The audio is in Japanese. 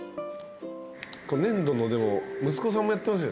粘土の息子さんもやってますよね？